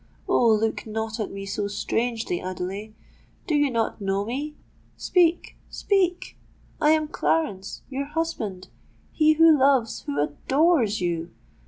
Oh! look not at me so strangely, Adelais—do you not know me?—speak—speak!—I am Clarence—your husband—he who loves, who adores you!